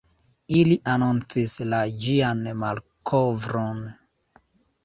Ili anoncis la ĝian malkovron.